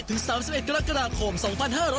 ถึง๓๑กรกฎาคม๒๕๖๖